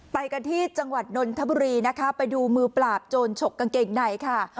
ไปกันที่จังหวัดนนทบุรีนะคะไปดูมือปราบโจรฉกกางเกงในค่ะ